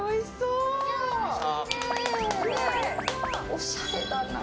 おしゃれだな。